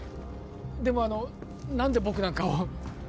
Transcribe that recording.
でもあの何で僕なんかを？